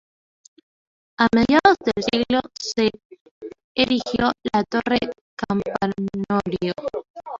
A mediados del siglo se erigió la torre campanario.